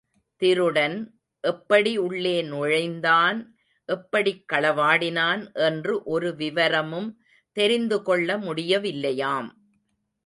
திருடன் எப்படி உள்ளே நுழைந்தான், எப்படிக் களவாடினான் என்று ஒரு விவரமும் தெரிந்துகொள்ள முடிய வில்லையாம்.